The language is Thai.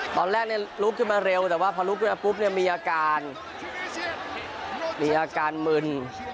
ตอนแรกลุกขึ้นมาเร็วแต่ว่าพอลุกขึ้นมาปุ๊บเนี่ยมีอาการมีอาการมึน